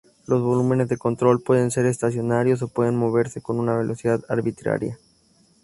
Los volúmenes de control pueden ser estacionarios o pueden moverse con una velocidad arbitraria.